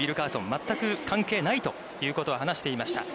全く関係ないということは話していました。